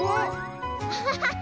ハハハハ！